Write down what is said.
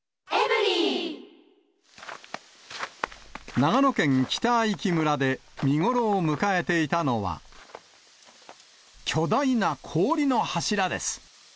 長野県北相木村で見頃を迎えていたのは、巨大な氷の柱です。